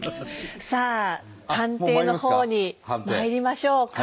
さあ判定のほうにまいりましょうか。